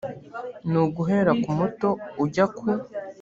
ni uguhera ku muto ujya ku